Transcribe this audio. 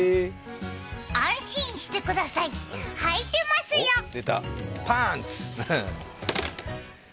安心してください、履いてますよ出た、パンツ！